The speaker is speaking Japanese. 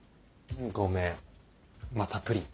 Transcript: ごめんまたプリン。